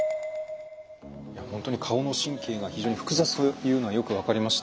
本当に顔の神経が非常に複雑というのはよく分かりました。